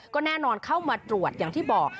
ก็แน่นอนเข้ามาตรวจอย่างที่บอก